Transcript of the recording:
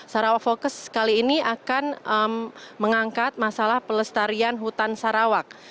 sarawak focus kali ini akan mengangkat masalah pelestarian hutan sarawak